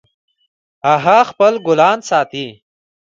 هغه خپل ګلان ساتي